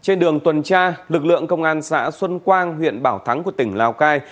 trên đường tuần tra lực lượng công an xã xuân quang huyện bảo thắng của tỉnh lào cai